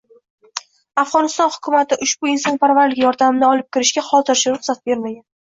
Afg‘oniston hukumati ushbu insonparvarlik yordamini olib kirishga hozircha ruxsat bermagan